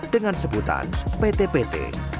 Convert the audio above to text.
dengan sebutan pt pt